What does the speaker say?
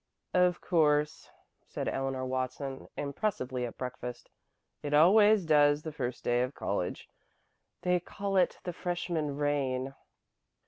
"Of course," said Eleanor Watson impressively at breakfast. "It always does the first day of college. They call it the freshman rain."